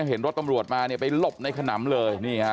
เห็นรถตำรวจมาเนี่ยไปหลบในขนำเลย